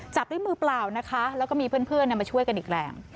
จับด้วยมือเปล่านะคะแล้วก็มีเพื่อนมาช่วยกันอีกแรง